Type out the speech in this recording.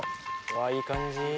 わいい感じ。